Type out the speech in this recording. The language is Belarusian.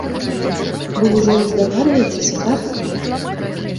Вы ўжо здагадваецеся, так?